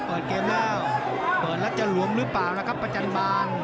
เปิดเกมแล้วเปิดแล้วจะหลวมหรือเปล่านะครับอาจารย์บ้าน